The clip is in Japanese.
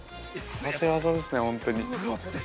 合わせ技ですね、本当に。